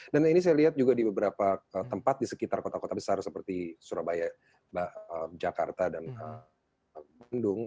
dan ini saya lihat juga di beberapa tempat di sekitar kota kota besar seperti surabaya jakarta dan bandung